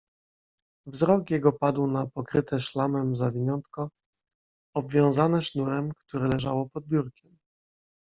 "Wzrok jego padł na pokryte szlamem zawiniątko, obwiązane sznurem, które leżało pod biurkiem."